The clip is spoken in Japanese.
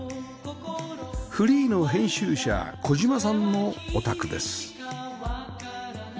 フリーの編集者小島さんのお宅です